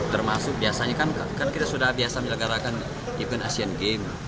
termasuk biasanya kan kita sudah biasa menyelenggarakan event asian games